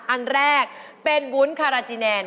อันแรกเป็นวุ้นคาราจิแนน